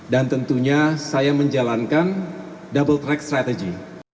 dan tentunya saya menjalankan double track strategy